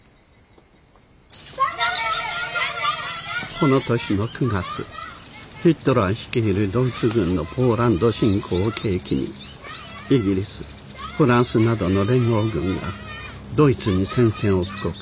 この年の９月ヒトラー率いるドイツ軍のポーランド侵攻を契機にイギリスフランスなどの連合軍がドイツに宣戦を布告。